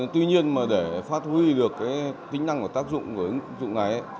tuy nhiên mà để phát huy được cái tính năng của tác dụng của ứng dụng này